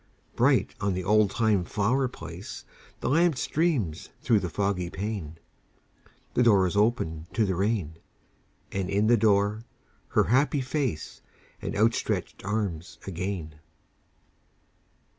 Bright on the oldtime flower place The lamp streams through the foggy pane; The door is opened to the rain: And in the door her happy face And outstretched arms again.